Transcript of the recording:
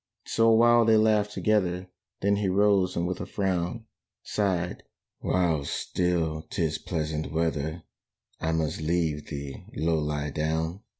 So a while they laughed together; Then he rose and with a frown Sighed, "While still 'tis pleasant weather, I must leave thee, Low lie down."